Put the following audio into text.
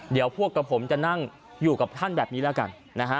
เดี๋ยวพวกกับผมจะนั่งอยู่กับท่านแบบนี้แล้วกันนะฮะ